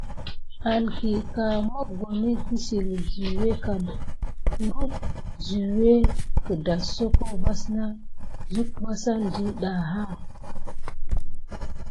An kiyiga mokoni kisile suyé kam kurum sukié gudasoko vas na suke wusane didaha.